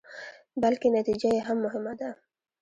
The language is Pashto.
بلکې نتيجه يې هم مهمه ده.